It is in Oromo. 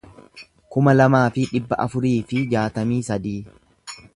kuma lamaa fi dhibba afurii fi jaatamii sadii